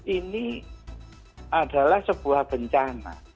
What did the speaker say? ini adalah sebuah bencana